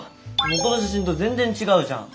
元の写真と全然違うじゃん。